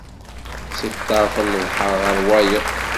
Si ṭṭerf n lebḥer ɣer wayeḍ.